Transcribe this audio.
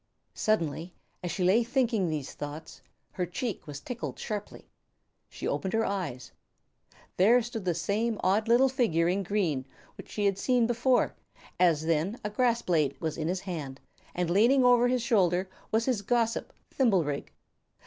Suddenly, as she lay thinking these thoughts, her cheek was tickled sharply. She opened her eyes. There stood the same odd little figure in green which she had seen before; as then a grass blade was in his hand, and leaning over his shoulder was his gossip Thimblerig.